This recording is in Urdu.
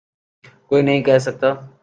کوئی نہیں کہہ سکتا۔